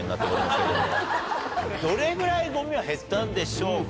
どれぐらいゴミは減ったんでしょうか。